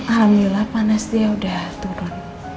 alhamdulillah panas dia sudah turun